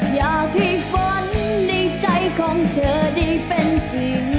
อยากให้ฝนในใจของเธอได้เป็นจริง